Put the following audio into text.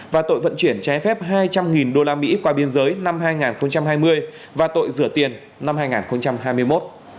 và tội vận chuyển trái phép hai trăm linh usd qua biên giới năm hai nghìn hai mươi và tội rửa tiền năm hai nghìn hai mươi một